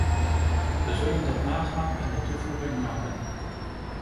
We zullen dat nagaan en de toevoeging maken.